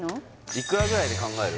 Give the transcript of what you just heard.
いくらぐらいで考える？